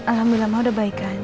alhamdulillah mah udah baik kan